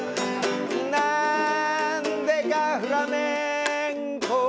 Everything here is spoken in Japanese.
「なんでかフラメンコ」